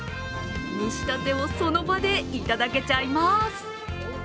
蒸したてをその場でいただけちゃいます。